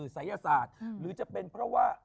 ศัยศาสตร์หรือจะเป็นเพราะว่า